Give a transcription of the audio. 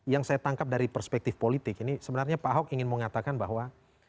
yang saya tangkap dari perspektif politik ini sebenarnya pak ahok ingin mengatakan bahwa